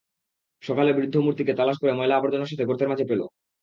সকালে বৃদ্ধ মূর্তিকে তালাশ করে ময়লা আবর্জনার সাথে গর্তের মাঝে পেল।